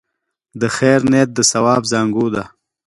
د خیر نیت د ثواب زانګو ده.